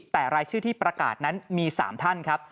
แต่รายชื่อที่ประกาศนั้นมี๓ท่านครับ